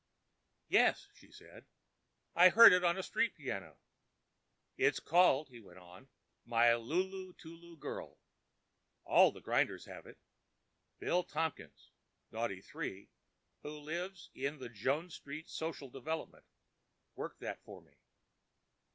"Yes," she said. "I heard it on a street piano." "It's called," he went on, '"My Lulu Tulu Girl.' All the grinders have it. Billy Tompkins, Noughty three, who lives in the Jones Street social settlement, worked that for me.